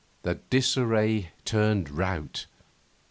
The disarray turned rout.